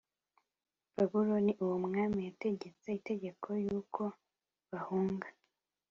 babuloni uwo mwami yategetse itegeko yuko bahunga